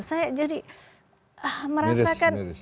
saya jadi merasakan